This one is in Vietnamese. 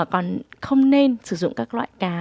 còn không nên sử dụng các loại cá